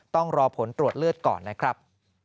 ต้องรอผลตรวจเลือดก่อนนะครับ